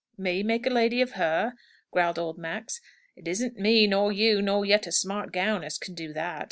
"Me make a lady of her?" growled old Max. "It isn't me, nor you, nor yet a smart gown, as can do that.